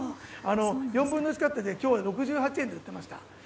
４分の１カットで今日は６８円で売っていました。